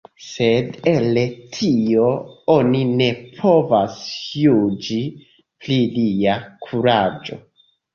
Sed el tio oni ne povas juĝi pri lia kuraĝo.